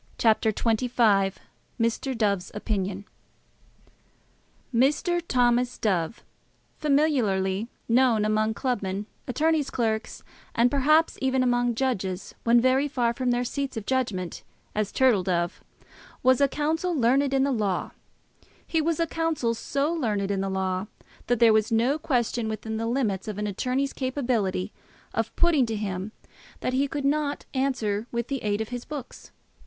CHAPTER XXV Mr. Dove's Opinion Mr. Thomas Dove, familiarly known among club men, attorneys' clerks, and, perhaps, even among judges when very far from their seats of judgment, as Turtle Dove, was a counsel learned in the law. He was a counsel so learned in the law, that there was no question within the limits of an attorney's capability of putting to him, that he could not answer with the aid of his books.